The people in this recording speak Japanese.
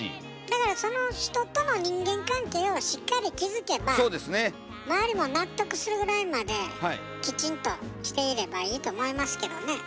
だからその人との人間関係をしっかり築けば周りも納得するぐらいまできちんとしていればいいと思いますけどね。